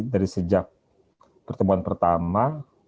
dari sejak pertemuan pertama